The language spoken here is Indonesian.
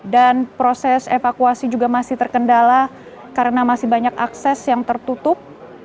dan proses evakuasi juga masih terkendala karena masih banyak akses yang tertutup